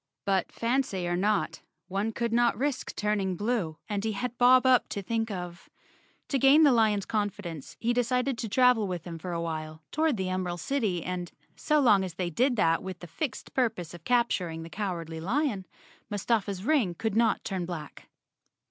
But fancy or not, one could not risk turning blue, and he had Bob Up to think of. To gain the lion's confidence he decided to travel with him for a while toward the Emerald City and, so long as they did that with the fixed purpose of capturing the Cowardly Lion, Mustafa's ring could not turn black.